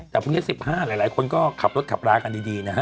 แต่พรุ่งนี้๑๕หลายคนก็ขับรถขับรากันดีนะฮะ